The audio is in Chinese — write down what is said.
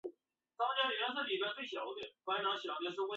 历官直隶元氏县知县。